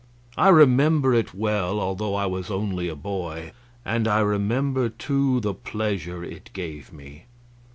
I remember it well, although I was only a boy; and I remember, too, the pleasure it gave me.